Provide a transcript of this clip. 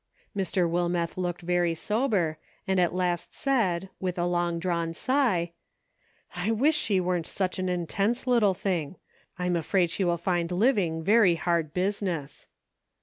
Mr. Wilmeth looked very sober, and at' last said, with a long drawn sigh :" I wish she weren't such an intense little thing. I'm afraid she will find living very hard business."